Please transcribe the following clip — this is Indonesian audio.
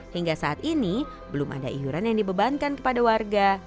hingga saat ini belum ada iuran yang dibebankan kepada warga